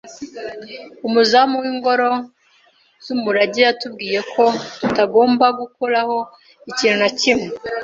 Umuzamu w'ingoro z'umurage yatubwiye ko tutagomba gukoraho ikintu na kimwe.